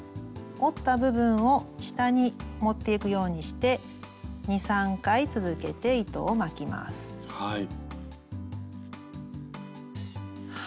折った部分を下に持っていくようにして２３回続けて糸を巻きます。